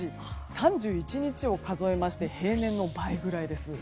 ３１日を数えまして平年の倍ぐらいです。